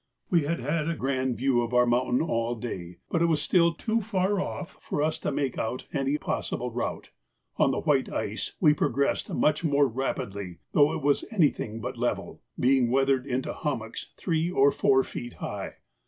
We had had a grand view of our mountain all day, but it was still too far off for us to make out any possible route. On the white ice we progressed much more rapidly, though it was anything but level, being weathered into hummocks three or four feet high.